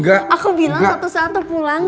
aku bilang satu satu pulang